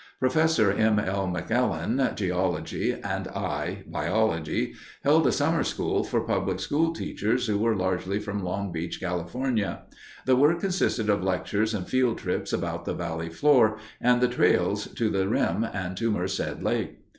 Professor M. L. Maclellan (geology) and I (biology) held a summer school for public school teachers who were largely from Long Beach, California. The work consisted of lectures and field trips about the valley floor and the trails to the rim and to Merced Lake.